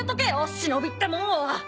忍ってもんを！